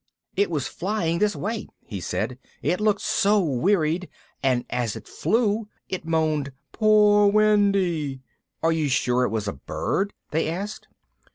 "It was flying this way," he said, "it looked so wearied, and as it flew it moaned 'Poor Wendy'." "Are you sure it was a bird?" they asked.